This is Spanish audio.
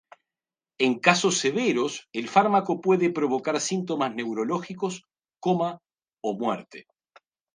En casos severos el fármaco puede provocar síntomas neurológicos, coma, o muerte.